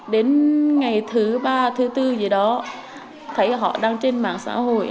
đến ngày thứ ba thứ tư gì đó thấy họ đăng trên mạng xã hội